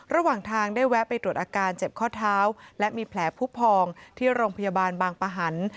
ระหว่างทางได้แวะไปตรวจอาการเจ็บข้อเท้าและมีแผลผู้พองที่โรงพยาบาลบางปะหัน